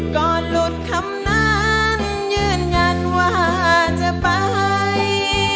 ก่อนหลุดคำนั้นยืนยันว่าจะไป